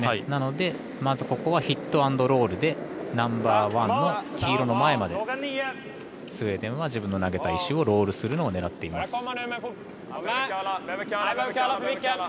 なので、まずここはヒット・アンド・ロールでナンバーワンの黄色の前までスウェーデンは自分の投げた石をロールするのを狙っています。